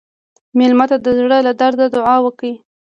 مېلمه ته د زړه له درده دعا ورکړه.